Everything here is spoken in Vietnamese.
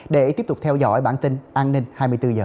để tiếp tục theo dõi bản tin an ninh hai mươi bốn h